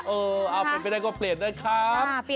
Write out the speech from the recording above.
เออเอาไปไม่ได้ก็เปลี่ยนด้านครับ